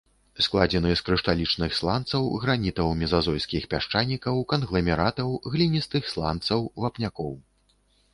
Складзены з крышталічных сланцаў, гранітаў мезазойскіх пясчанікаў, кангламератаў, гліністых сланцаў, вапнякоў.